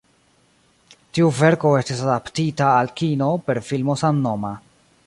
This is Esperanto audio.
Tiu verko estis adaptita al kino, per filmo samnoma.